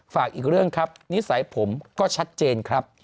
ฝากอีกเรื่องครับนิสัยผมก็ชัดเจนครับ